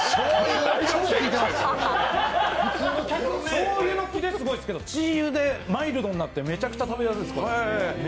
しょうゆのキレすごいですけど鶏油でマイルドになってめちゃくちゃ食べやすいです！